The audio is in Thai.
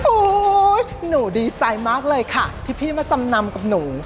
หนูดีใจมากเลยค่ะที่พี่มาจำนำกับหนู